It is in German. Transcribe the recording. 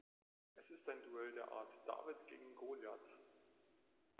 Es ist ein Duell der Art David gegen Goliath.